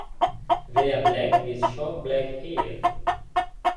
They are black with short black hair.